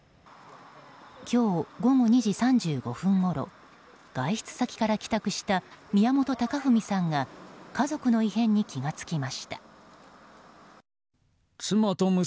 今日午後２時３５分ごろ外出先から帰宅した宮本隆文さんが家族の異変に気が付きました。